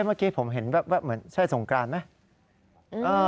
เมื่อกี้ผมเห็นแบบเหมือนใช่สงกรานไหม